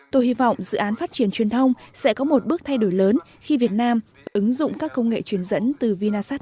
tôi hy vọng dự án phát triển truyền thông sẽ có một bước thay đổi lớn khi việt nam ứng dụng các công nghệ truyền dẫn từ vinasat